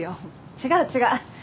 違う違う。